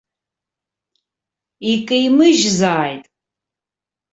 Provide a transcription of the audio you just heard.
Икеимыжьзааит?